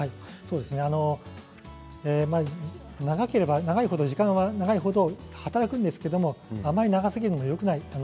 長ければ長いほど時間は長いほど働くんですけれどあまり長すぎるのもよくないですね。